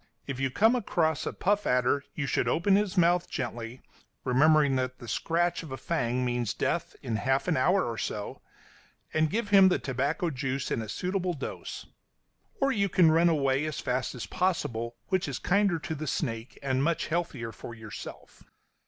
If you come across a puff adder, you should open his mouth gently, remembering that the scratch of a fang means death in half an hour or so, and give him the tobacco juice in a suitable dose; or you can run away as fast as possible, which is kinder to the snake and much healthier for yourself.